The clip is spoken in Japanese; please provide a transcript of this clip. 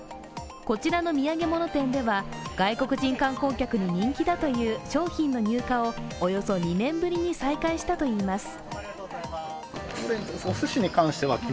こちらの土産物店では外国人観光客に人気だという商品の入荷をおよそ２年ぶりに再開したといいます。